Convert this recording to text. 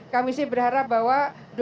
kami sih berharap bahwa